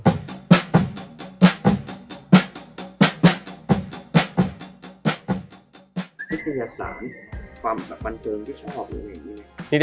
นิทยาศาลความบันเติมที่ชอบอยู่ไหน